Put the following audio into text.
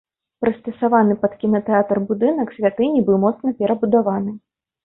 Прыстасаваны пад кінатэатр будынак святыні быў моцна перабудаваны.